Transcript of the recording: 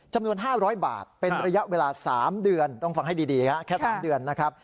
จำนวน๕๐๐บาทเป็นระยะเวลา๓เดือนต้องฟังให้ดีแค่๓เดือนนะครับ